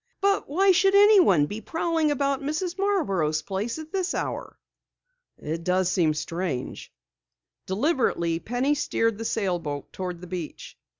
"But why should anyone be prowling about Mrs. Marborough's place at this hour?" "It does seem strange." Deliberately, Penny steered the sailboat toward the beach.